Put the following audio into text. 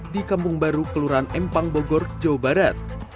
di kampung baru kelurahan empang bogor jawa barat